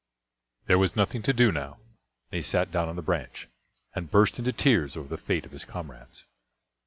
There was nothing to do now, and he sat down on the branch, and burst into tears over the fate of his comrades.